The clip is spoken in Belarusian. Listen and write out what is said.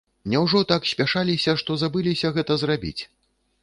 Няўжо так спяшаліся, што забыліся гэта зрабіць?